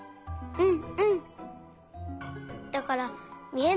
うん！